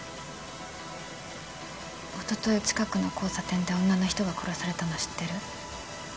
おととい近くの交差点で女の人が殺されたの知ってる？